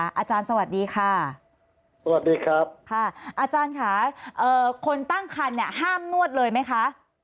อาจารย์สวัสดีค่ะสวัสดีครับค่ะอาจารย์ค่ะคนตั้งคันเนี่ยห้ามนวดเลยไหมคะ